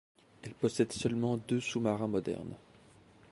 Elle possède seulement deux sous-marins modernes.